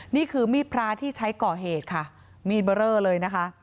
นี่คือมีดพระที่ใช้ก่อเหตุค่ะมีดเบอร์เลอร์เลยนะคะ